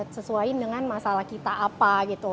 sesuai dengan masalah kita apa gitu